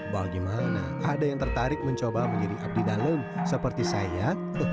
bagaimana ada yang tertarik mencoba menjadi abdi dalam seperti saya